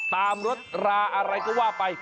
รถราอะไรก็ว่าไป